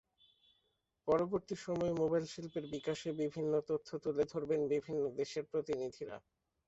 পরবর্তী সময়ে মোবাইলশিল্পের বিকাশে বিভিন্ন তথ্য তুলে ধরবেন বিভিন্ন দেশের প্রতিনিধিরা।